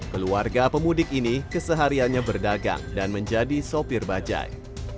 keluarga pemudik ini kesehariannya berdagang dan menjadi sopir bajai